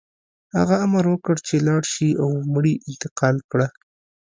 هغه امر وکړ چې لاړ شه او مړي انتقال کړه